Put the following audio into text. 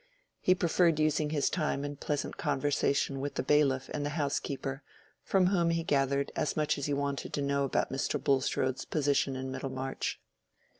He preferred using his time in pleasant conversation with the bailiff and the housekeeper, from whom he gathered as much as he wanted to know about Mr. Bulstrode's position in Middlemarch.